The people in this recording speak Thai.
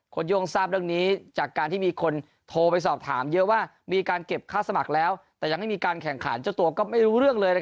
โย่งทราบเรื่องนี้จากการที่มีคนโทรไปสอบถามเยอะว่ามีการเก็บค่าสมัครแล้วแต่ยังไม่มีการแข่งขันเจ้าตัวก็ไม่รู้เรื่องเลย